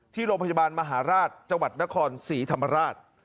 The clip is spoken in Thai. ที่โรงพยาบาลมหาราชจังหวัดนครศรีธรรมราช